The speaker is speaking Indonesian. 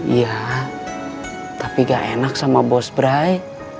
iya tapi nggak enak sama bos brai